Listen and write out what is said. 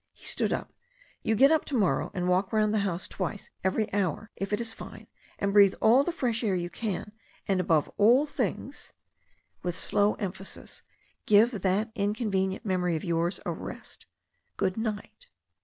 He stood up. "You get up to morrow, and walk round the house twice every hour if it is fine, and breathe all the fresh air you can, and above all things," with slow emphasis, "give that inconvenient mem ory of yours a rest. Good night."